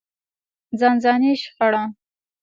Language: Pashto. ځانځاني شخړه.